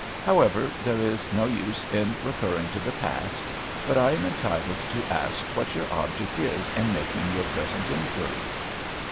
However, there is no use in recurring to the past; but I am entitled to ask what your object is in making your present inquiries?"